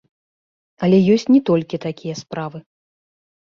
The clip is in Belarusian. Але ёсць не толькі такія справы.